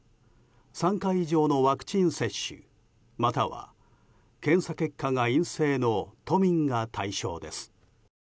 ３回以上のワクチン接種または、検査結果が陰性の都民が対象です。